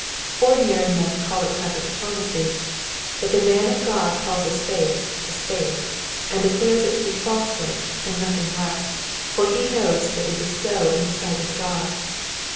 Ordinary men call it clever diploipacy, but the man of God calls a spade a spade, and declares it to be falsehood, and nothing less, for he knows that it is so in the si^ht of God.